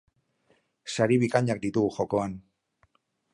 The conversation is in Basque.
Sari bikainak ditugu jokoan!